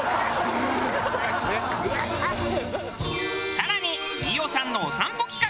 更に飯尾さんのお散歩企画。